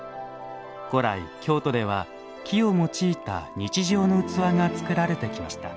古来京都では木を用いた日常の器が作られてきました。